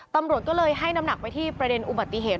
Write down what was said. ตำรวจก็เลยให้น้ำหนักไปที่ประเด็นอุบัติเหตุ